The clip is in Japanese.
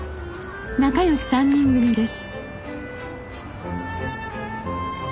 仲良し３人組です。